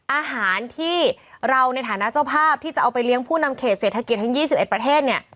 อาหารที่เราในฐานะเจ้าภาพที่จะเอาไปเลี้ยงผู้นำเขตเศรษฐกิจทั้ง๒๑ประเทศเนี่ย